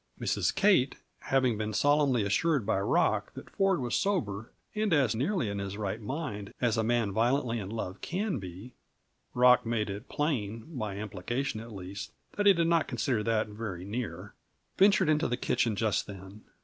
Mrs. Kate, having been solemnly assured by Rock that Ford was sober and as nearly in his right mind as a man violently in love can be (Rock made it plain, by implication at least, that he did not consider that very near), ventured into the kitchen just then.